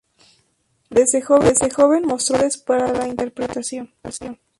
Desde joven mostró aptitudes para la interpretación.